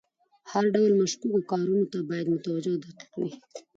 هر ډول مشکوکو کارونو ته باید متوجه او دقیق وي.